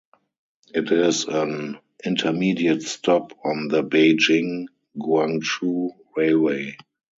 It is an intermediate stop on the Beijing–Guangzhou railway.